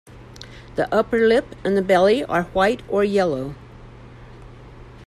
The upper lip and the belly are white or yellow.